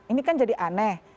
ini kan jadi aneh